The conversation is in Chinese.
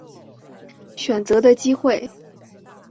选择的机会